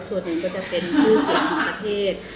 ส่วนหนึ่งก็จะเป็นชื่อเสียงของประเทศ